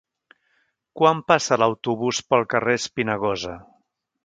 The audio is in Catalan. Quan passa l'autobús pel carrer Espinagosa?